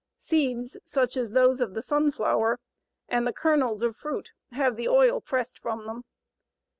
Seeds, such as those of the sunflower, and the kernels of fruit have the oil pressed from them.